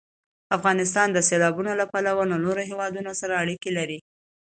افغانستان د سیلابونه له پلوه له نورو هېوادونو سره اړیکې لري.